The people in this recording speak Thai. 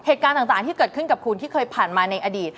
เหตุการณ์ต่างที่เกิดขึ้นกับคุณที่เคยผ่านมาในอดีต